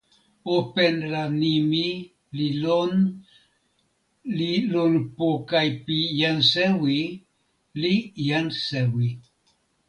open la nimi li lon li lon poka pi jan sewi li jan sewi.